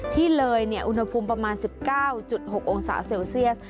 ที่เลยอุณหภูมิประมาณ๑๙๖องศาเซลเซียส